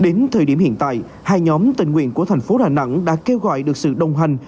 đến thời điểm hiện tại hai nhóm tình nguyện của thành phố đà nẵng đã kêu gọi được sự đồng hành